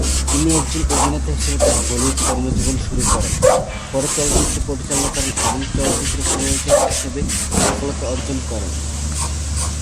তিনি একজন অভিনেতা হিসেবে তার বলিউড কর্মজীবন শুরু করেন, পরে চলচ্চিত্র পরিচালনা করেন এবং চলচ্চিত্র প্রযোজক হিসেবে সফলতা অর্জন করেন।